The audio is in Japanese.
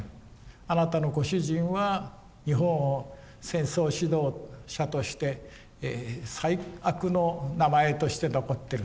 あなたのご主人は日本を戦争指導者として最悪の名前として残っている。